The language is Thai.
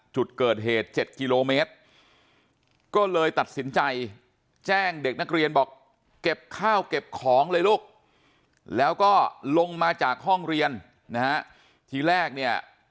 จุดเกิดเหตุ๗กิโลเมตรก็เลยตัดสินใจแจ้งเด็กนักเรียนบอกเก็บข้าวเก็บของเลยลูกแล้วก็ลงมาจากห้องเรียนนะฮะทีแรกเนี่ย